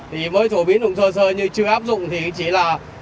thì mới phổ biến cũng sơ sơ nhưng chưa áp dụng thì chỉ là